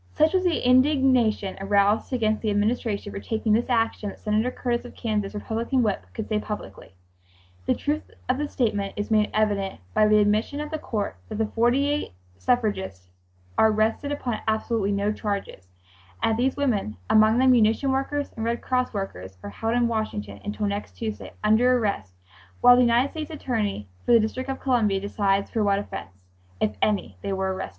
Such was the indignation aroused against the Administration for taking this action that Senator Curtis of Kansas, Republican whip, could say publicly: "The truth of this statement is made evident by the admission of the court that the forty eight suffragists are arrested upon absolutely no charges, and that these women, among them munition workers and Red Cross workers, are held in Washington until next Tuesday, under arrest, while the United States attorney for the District of Columbia decides for what offense, 'if any,' they were arrested.